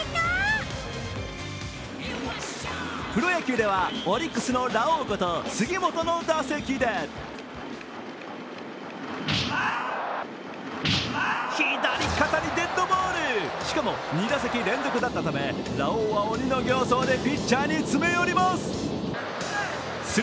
プロ野球ではオリックスのラオウこと杉本の打席で左肩にデッドボールしかも２打席連続だったため、ラオウは鬼の形相でピッチャーに詰め寄ります。